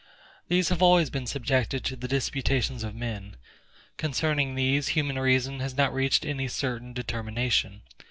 These have been always subjected to the disputations of men; concerning these human reason has not reached any certain determination.